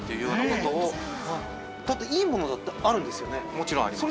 もちろんあります。